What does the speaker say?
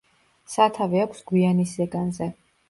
სათავე აქვს გვიანის ზეგანზე.